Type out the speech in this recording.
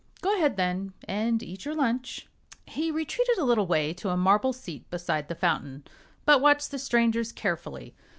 "Go ahead, then, and eat your lunch." He retreated a little way to a marble seat beside the fountain, but watched the strangers carefully.